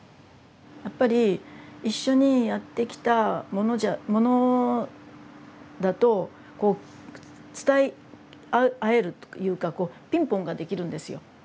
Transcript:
やっぱり一緒にやってきたものだとこう伝え合えるというかこうピンポンができるんですよ。